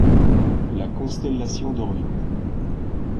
La constellation d’Orion.